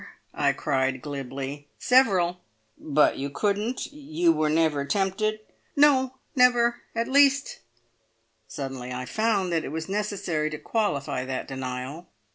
I cried glibly. "Several!" "But you couldn't You were never tempted?" "No, never. At least " Suddenly I found that it was necessary to qualify that denial.